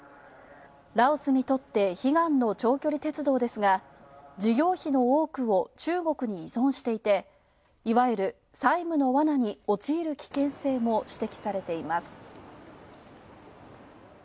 ラオスにとって悲願の長距離鉄道ですが事業費の多くを中国に依存していていわゆる債務のわなに陥る危険性も指摘されています。